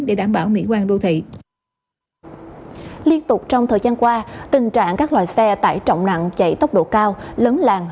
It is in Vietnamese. để đảm bảo an toàn thì sẽ dựa vào hộ chiếu vaccine